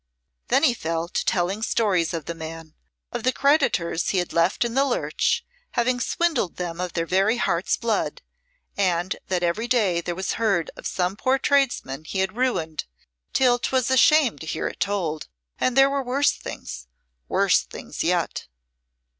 Then he fell to telling stories of the man, of the creditors he had left in the lurch, having swindled them of their very hearts' blood, and that every day there was heard of some poor tradesman he had ruined, till 'twas a shame to hear it told; and there were worse things worse things yet!